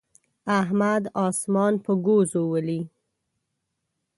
احمد اسمان په ګوزو ولي.